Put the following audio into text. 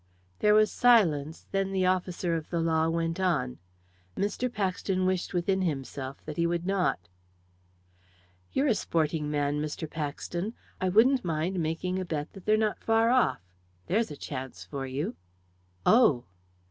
There was silence; then the officer of the law went on. Mr. Paxton wished within himself that he would not. "You're a sporting man, Mr. Paxton. I wouldn't mind making a bet that they're not far off! There's a chance for you!" "Oh!"